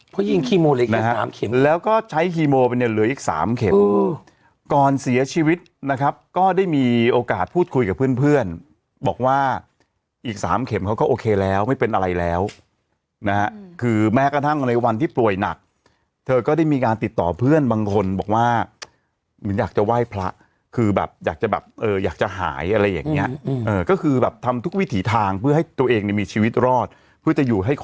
เพราะยิ่งคีโมเหลืออีก๓เข็มแล้วก็ใช้คีโมเหลืออีก๓เข็มก่อนเสียชีวิตนะครับก็ได้มีโอกาสพูดคุยกับเพื่อนบอกว่าอีก๓เข็มเขาก็โอเคแล้วไม่เป็นอะไรแล้วนะคือแม้กระทั่งในวันที่ป่วยหนักเธอก็ได้มีงานติดต่อเพื่อนบางคนบอกว่าอยากจะไหว้พระคือแบบอยากจะแบบอยากจะหายอะไรอย่างนี้ก็คือแบบทำทุกวิถีทางเพื่อให